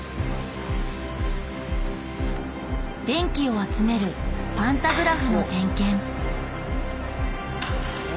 電気を集めるパンタグラフの点検。